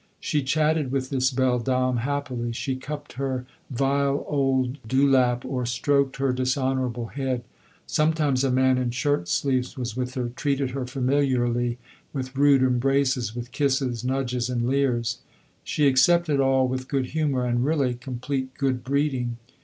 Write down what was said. She chatted with this beldame happily, she cupped her vile old dewlap, or stroked her dishonourable head; sometimes a man in shirt sleeves was with her, treated her familiarly, with rude embraces, with kisses, nudges and leers. She accepted all with good humour and, really, complete good breeding.